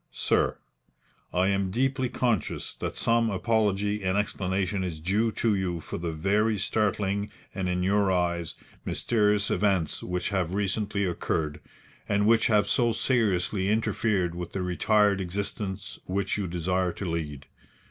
"SIR, I am deeply conscious that some apology and explanation is due to you for the very startling and, in your eyes, mysterious events which have recently occurred, and which have so seriously interfered with the retired existence which you desire to lead.